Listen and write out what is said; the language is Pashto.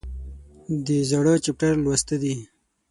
د زاړه چپټر لوسته دي